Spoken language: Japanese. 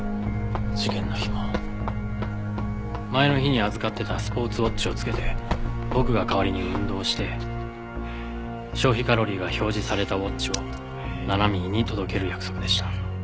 事件の日も前の日に預かってたスポーツウォッチを着けて僕が代わりに運動して消費カロリーが表示されたウォッチをななみーに届ける約束でした。